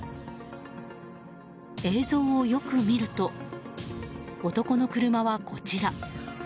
映像をよく見ると男の車はこちら。